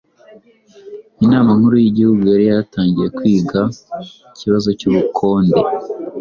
Inama Nkuru y'Igihugu yari yatangiye kwiga ikibazo cy'ubukonde